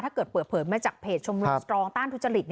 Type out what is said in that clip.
ถ้าเกิดเปิดเผินมาจากเพจชมรุนสตรองต้านทุจริต